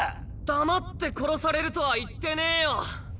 黙って殺されるとは言ってねぇよ。